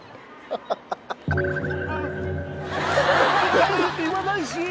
返せって言わないし。